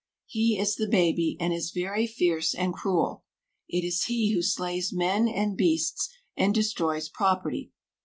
He is the baby, and is very fierce and cruel. It is he who slays men and beasts and destroys property.